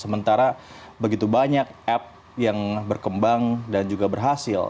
sementara begitu banyak app yang berkembang dan juga berhasil